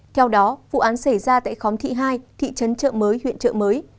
theo đó vụ án xảy ra tại khóm thị hai thị trấn trợ mới huyện trợ mới